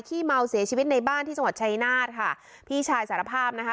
เมาเสียชีวิตในบ้านที่จังหวัดชายนาฏค่ะพี่ชายสารภาพนะคะ